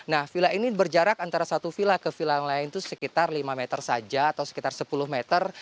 nah villa ini berjarak antara satu villa ke villa yang lain itu sekitar lima meter saja atau sekitar sepuluh meter